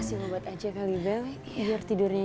dia waspada di hadapan i meaning your death